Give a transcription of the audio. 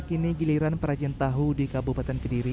kini giliran perajin tahu di kabupaten kediri